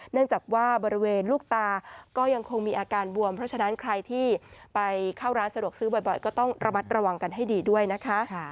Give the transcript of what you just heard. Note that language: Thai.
เนื่องจากว่าบริเวณลูกตาก็ยังคงมีอาการบวมเพราะฉะนั้นใครที่ไปเข้าร้านสะดวกซื้อบ่อยก็ต้องระมัดระวังกันให้ดีด้วยนะคะ